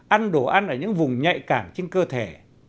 ăn đồ ăn ở những vùng nhạy cảm trên cơ thể